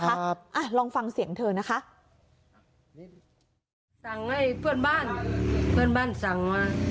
ครับอ่ะลองฟังเสียงเธอนะคะสั่งให้เพื่อนบ้านเพื่อนบ้านสั่งมา